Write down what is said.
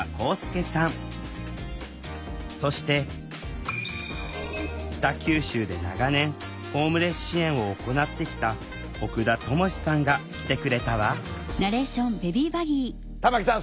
そして北九州で長年ホームレス支援を行ってきた奥田知志さんが来てくれたわ玉木さん